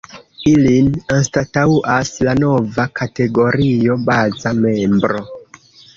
Ilin anstataŭas la nova kategorio ”baza membro”.